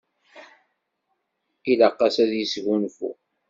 Ilaq-as ad yesgunfu.